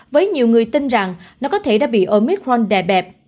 với nhiều người tin rằng nó có thể đã bị omitforn đè bẹp